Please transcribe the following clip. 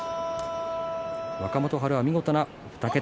若元春は見事２桁。